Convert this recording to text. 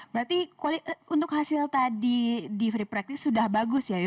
berarti untuk hasil tadi di free practice sudah bagus ya